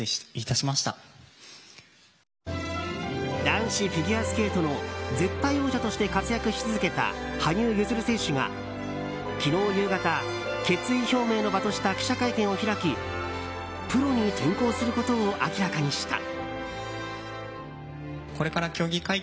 男子フィギュアスケートの絶対王者として活躍し続けた羽生結弦選手が昨日夕方決意表明の場とした記者会見を開きプロに転向することを明らかにした。